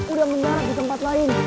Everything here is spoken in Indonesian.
udah mendarat di tempat lain